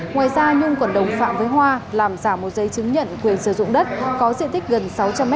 ngoài ra nhung còn đồng phạm với hoa làm giả một giấy chứng nhận quyền sử dụng đất có diện tích gần sáu trăm linh m hai